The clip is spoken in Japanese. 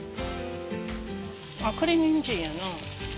あっこれにんじんやな。